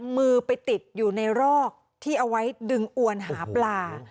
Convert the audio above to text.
มือไปติดอยู่ในรอกที่เอาไว้ดึงอวนหาปลา